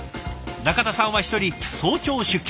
中田さんは一人早朝出勤。